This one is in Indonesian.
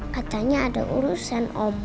katanya ada urusan om